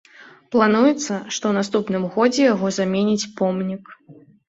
Плануецца, што ў наступным годзе яго заменіць помнік.